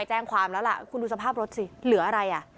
แจ้งความแล้วล่ะคุณดูสภาพรถสิเหลืออะไรอ่ะ